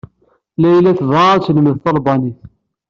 Layla tebɣa ad telmed talbanit.